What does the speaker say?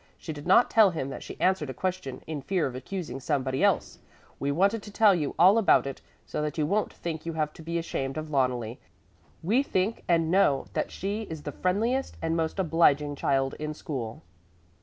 She did not tell him that she answered a question in fear of accusing somebody else. We wanted to tell you all about it so that you won't think you have to be ashamed of Loneli. We think and know that she is the friendliest and most obliging child in school."